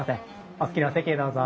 お好きなお席へどうぞ。